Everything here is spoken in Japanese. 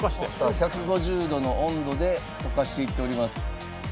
１５０度の温度で溶かしていっております。